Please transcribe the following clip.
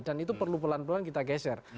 dan itu perlu pelan pelan kita geser